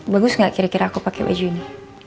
bagus ga kira kira aku pake baju ini